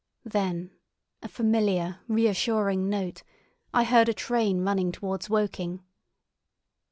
Then—a familiar, reassuring note—I heard a train running towards Woking.